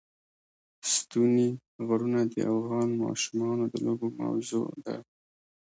ستوني غرونه د افغان ماشومانو د لوبو موضوع ده.